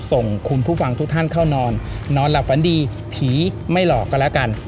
ส่งคุณผู้ฟังทุกท่านเข้านอนนอนหลับฝันดีผีไม่หลอกก็แล้วกัน